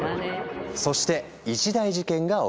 そして一大事件が起きる。